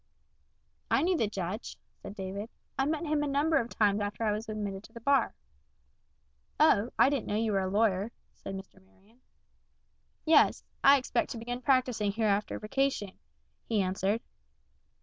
"I knew the Judge," said David. "I met him a number of times after I was admitted to the bar." "O, I didn't know you were a lawyer," said Mr. Marion. "Yes, I expect to begin practicing here after vacation," he answered.